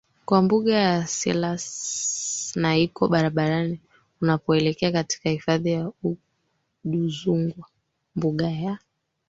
kwa mbuga ya Selous na iko barabarani unapoelekea katika hifadhi ya Udzungwa mbuga ya